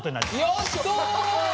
やった！